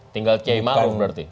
tinggal keima aruf berarti